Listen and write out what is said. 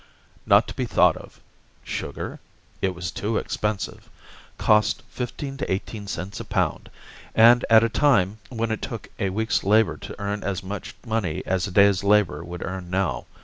Not to be thought of. Sugar? It was too expensive cost fifteen to eighteen cents a pound, and at a time when it took a week's labor to earn as much money as a day's labor would earn now.